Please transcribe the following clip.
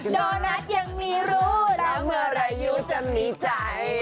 โดนัทยังมีรู้แล้วเมื่อไหร่ยูจะมีใจ